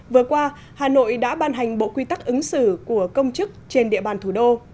vừa qua hà nội đã ban hành bộ quy tắc ứng xử của công chức trên địa bàn thủ đô